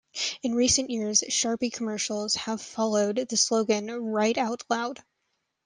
In recent years, Sharpie commercials have followed the slogan "Write Out Loud".